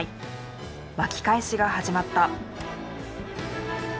巻き返しが始まった。